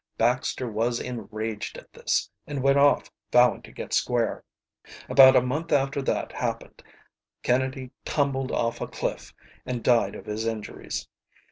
"Baxter was enraged at this, and went off vowing to get square. About a month after that happened Kennedy tumbled off a cliff, and died of his injuries.